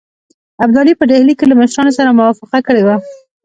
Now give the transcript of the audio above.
ابدالي په ډهلي کې له مشرانو سره موافقه کړې وه.